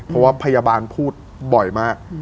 เพราะว่าพยาบาลพูดบ่อยมาก